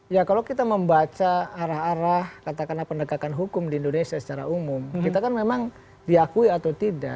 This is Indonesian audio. ya kalau kita membaca arah arah katakanlah penegakan hukum di indonesia secara umum kita kan memang diakui atau tidak